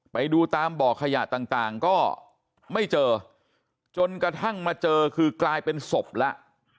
ไปดูตามบ่อขยะต่างก็ไม่เจอจนกระทั่งมาเจอคือกลายเป็นศพแล้ว